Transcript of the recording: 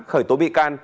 khởi tố bị can